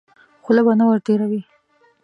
خوله به نه ور تېروې.